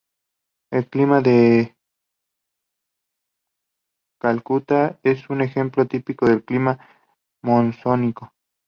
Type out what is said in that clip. El clima de Calcuta es un ejemplo típico de clima monzónico.